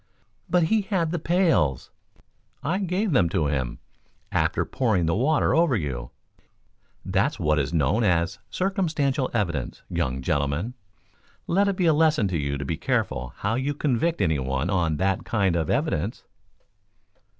"But he had the pails." "I gave them to him, after pouring the water over you. That's what is known as circumstantial evidence, young gentlemen. Let it be a lesson to you to be careful how you convict anyone on that kind of evidence."